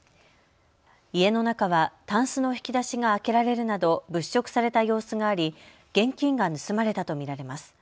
家の中はたんすの引き出しが開けられるなど物色された様子があり現金が盗まれたと見られます。